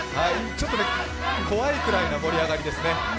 ちょっと怖いくらいの盛り上がりですね。